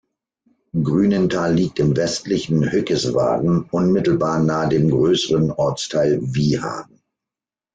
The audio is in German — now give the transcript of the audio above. Grünenthal liegt im westlichen Hückeswagen unmittelbar nahe dem größeren Ortsteil Wiehagen.